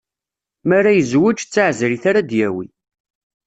Mi ara yezweǧ, d taɛezrit ara d-yawi.